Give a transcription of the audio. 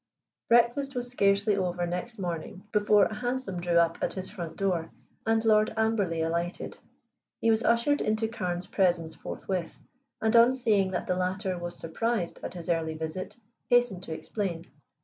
Breakfast was scarcely over next morning before a hansom drew up at his front door and Lord Amberley alighted. He was ushered into Carne's presence forthwith, and on seeing that the latter was surprised at his early visit, hastened to explain.